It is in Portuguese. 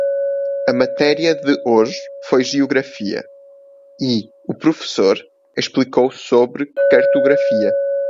A matéria de hoje foi geografia e o professor explicou sobre cartografia.